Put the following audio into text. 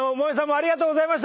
ありがとうございます。